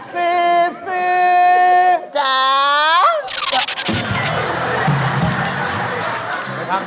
ซีซี